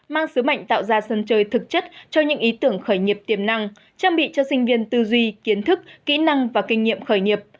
mang sứ mệnh tạo ra sân chơi thực chất cho những ý tưởng khởi nghiệp tiềm năng trang bị cho sinh viên tư duy kiến thức kỹ năng và kinh nghiệm khởi nghiệp